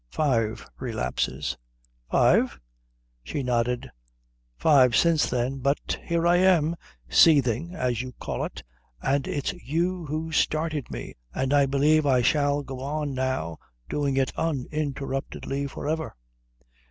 "Five relapses." "Five?" She nodded. "Five since then. But here I am, seething as you call it, and it's you who started me, and I believe I shall go on now doing it uninterruptedly for ever."